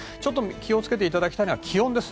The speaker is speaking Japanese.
気をつけていただきたいのは気温です。